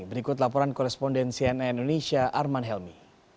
berikut laporan koresponden cnn indonesia arman helmi